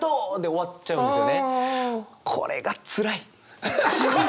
これがつらい。